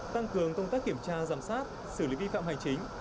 tăng cường công tác kiểm tra giám sát xử lý vi phạm hành chính